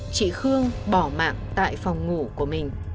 trị khương bỏ mạng tại phòng ngủ của mình